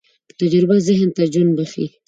تجربه ذهن ته ژوند بښي.